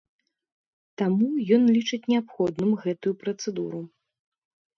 Таму ён лічыць неабходным гэтую працэдуру.